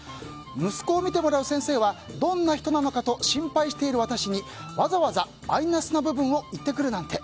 息子を見てもらう先生はどんな人なのかと心配している私にわざわざマイナスな部分を言ってくるなんて。